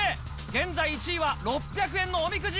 現在１位は６００円のおみくじ。